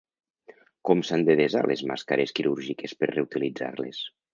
Com s’han de desar les màscares quirúrgiques per reutilitzar-les?